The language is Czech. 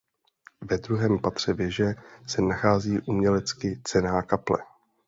Ve druhém patře věže se nachází umělecky cenná kaple.